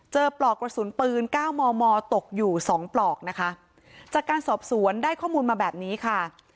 ปลอกกระสุนปืนเก้ามอมอตกอยู่สองปลอกนะคะจากการสอบสวนได้ข้อมูลมาแบบนี้ค่ะ